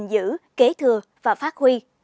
nhìn giữ kế thừa và phát huy